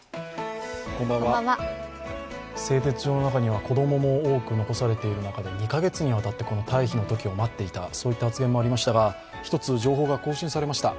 製鉄所の中には子供も多く残されている中で、２カ月にわたって退避の時を待っていた、そういった発言もありましたが、１つ、情報が更新されました。